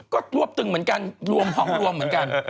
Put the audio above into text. ก็รวบตึงเหมือนกันรวมห้องรวมเหมือนกัน